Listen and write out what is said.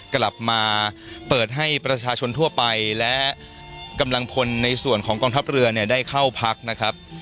กลับมาเปิดให้ประชาชนทั่วไปและกำลังพลในส่วนของกองทัพเรือเนี่ยได้เข้าพักนะครับ